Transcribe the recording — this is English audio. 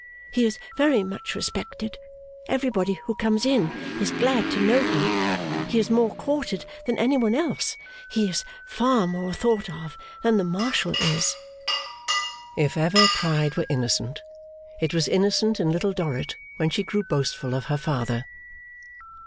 He is very much respected. Everybody who comes in, is glad to know him. He is more courted than anyone else. He is far more thought of than the Marshal is.' If ever pride were innocent, it was innocent in Little Dorrit when she grew boastful of her father.